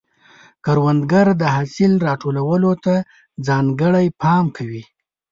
کروندګر د حاصل راټولولو ته ځانګړی پام کوي